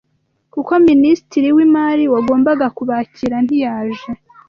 kuko Minsitiri w'imari wagombaga kubakira ntiyaje